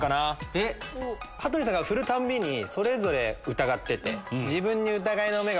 羽鳥さんがふるたんびにそれぞれ疑ってて。